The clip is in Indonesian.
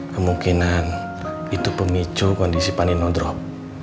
kemungkinan itu pemicu kondisi panino drop